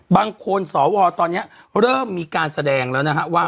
บางคนสวตอนนี้เริ่มมีการแสดงแล้วนะฮะว่า